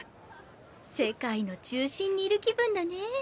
世界の中心にいる気分だね。